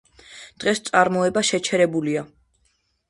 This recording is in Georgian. დღეს წარმოება შეჩერებულია.